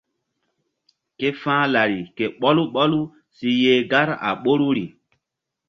Ke fa̧h lari ke ɓɔlu ɓɔlu si yeh gar a ɓoruri.